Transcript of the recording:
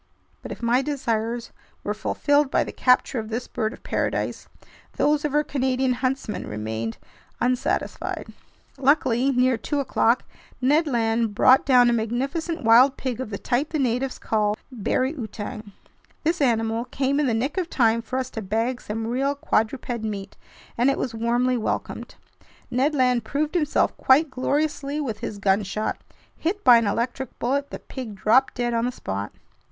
But if my desires were fulfilled by the capture of this bird of paradise, those of our Canadian huntsman remained unsatisfied. Luckily, near two o'clock Ned Land brought down a magnificent wild pig of the type the natives call "bari outang." This animal came in the nick of time for us to bag some real quadruped meat, and it was warmly welcomed. Ned Land proved himself quite gloriously with his gunshot. Hit by an electric bullet, the pig dropped dead on the spot.